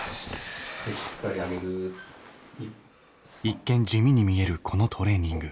一見地味に見えるこのトレーニング。